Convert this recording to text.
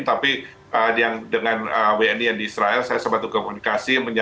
tapi dengan wni yang di israel saya sempat berkomunikasi